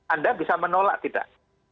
anda bisa menolak tidak